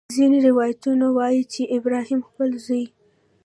ځینې روایتونه وایي چې ابراهیم خپل زوی.